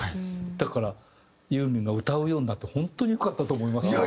だからユーミンが歌うようになって本当によかったと思いますよね。